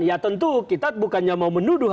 ya tentu kita bukannya mau menuduh